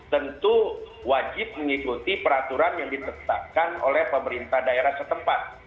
tentu wajib mengikuti peraturan yang ditetapkan oleh pemerintah daerah setempat